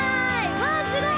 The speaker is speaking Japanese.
わあすごい！